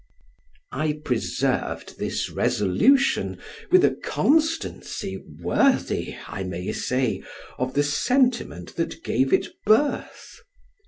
I preserved this resolution with a constancy worthy, I may say, of the sentiment that gave it birth.